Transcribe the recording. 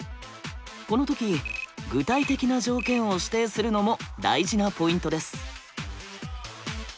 この時具体的な条件を指定するのも大事なポイントです。